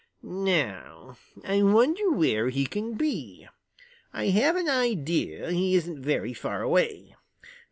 Now, I wonder where he can be. I have an idea he isn't very far away.